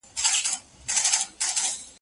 زه به جوړ وم .